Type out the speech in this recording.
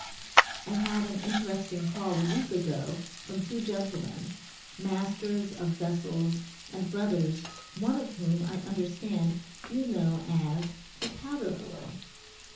I had an interesting call a week ago from two gentlemen, masters of vessels, and brothers, one of whom, I understand, you know as the "powder boy."